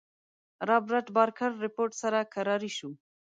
رابرټ بارکر رپوټ سره کراري شوې.